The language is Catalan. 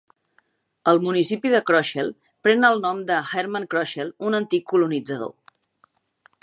El municipi de Kroschel pren el nom de Herman Kroschel, un antic colonitzador.